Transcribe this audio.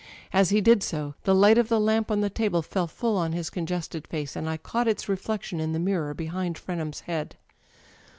As he did so, the light of the lamp on the table fell full on his congested face, and I caught its reflection in the mirror behind Frenham's head.